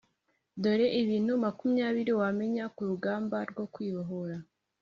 Dore ibintu makumyabiri wamenya ku rugamba rwo Kwibohora